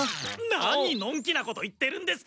なにのんきなこと言ってるんですか？